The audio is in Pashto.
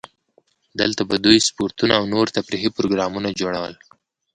دلته به دوی سپورتونه او نور تفریحي پروګرامونه جوړول.